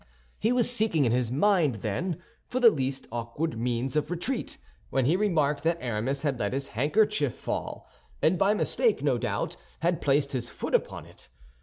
He was seeking in his mind, then, for the least awkward means of retreat, when he remarked that Aramis had let his handkerchief fall, and by mistake, no doubt, had placed his foot upon it.